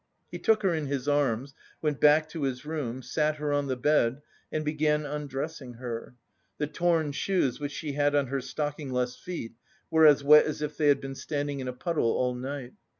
He took her in his arms, went back to his room, sat her on the bed, and began undressing her. The torn shoes which she had on her stockingless feet were as wet as if they had been standing in a puddle all night.